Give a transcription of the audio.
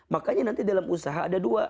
makanya nanti dalam usaha ada dua